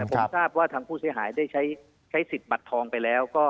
ผมทราบว่าทางผู้เสียหายได้ใช้สิทธิ์บัตรทองไปแล้วก็